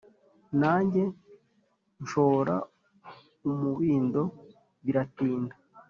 Nange nshora umubindo biratinda